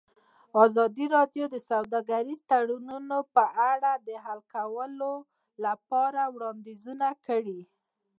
ازادي راډیو د سوداګریز تړونونه په اړه د حل کولو لپاره وړاندیزونه کړي.